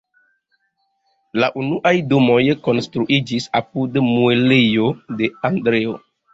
La unuaj domoj konstruiĝis apud muelejo de "Andreo".